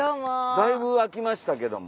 だいぶあきましたけども。